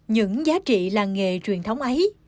những giá trị là nghề truyền thống ấy